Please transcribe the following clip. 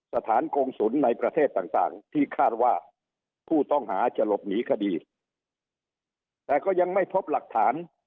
สถานโกงศูนย์ในประเทศต่างที่คาดว่า